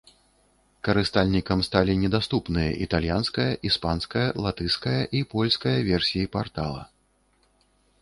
Карыстальнікам сталі недаступныя італьянская, іспанская, латышская і польская версіі партала.